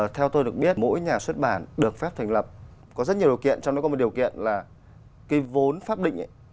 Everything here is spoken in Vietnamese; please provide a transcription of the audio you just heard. theo tôi được biết mỗi nhà xuất bản được phép thành lập có rất nhiều điều kiện trong đó có một điều kiện là cái vốn pháp định